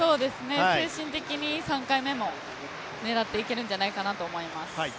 精神的に３回目も狙っていけるんじゃないかなと思います。